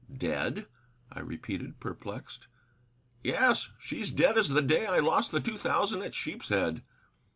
"Dead?" I repeated, perplexed. "Yes, she's dead as the day I lost the two thousand at Sheepshead.